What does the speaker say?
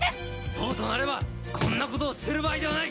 そうとなればこんなことをしてる場合ではない。